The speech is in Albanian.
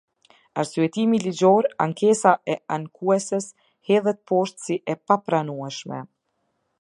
Arsyetimi ligjor Ankesa e ankueses hedhet poshtë si e papranueshme.